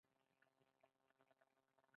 افغانستان د هوا د ساتنې لپاره قوانین لري.